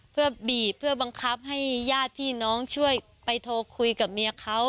เพื่อบีบเพื่อบังคับให้ญาติพี่น้องช่วยไปโทรคุยกับเมียเขา